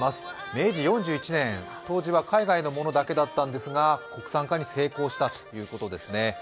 明治４１年、当時は海外のものだけだったんですが国産化に成功したということですね。